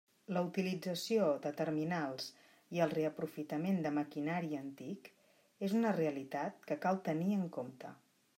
La utilització de terminals i el reaprofitament de maquinari antic és una realitat que cal tenir en compte.